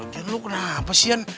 ya lagi lu kenapa sih ya